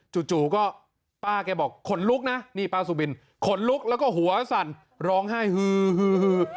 จู่ก็ป้าแกบอกขนลุกนะนี่ป้าสุบินขนลุกแล้วก็หัวสั่นร้องไห้ฮือฮือ